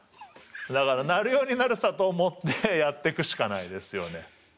だからなるようになるさと思ってやってくしかないですよね。